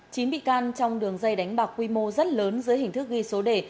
chín bị can trong đường dây đánh bạc quy mô rất lớn dưới hình thức ghi số đề